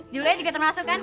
jule juga termasuk kan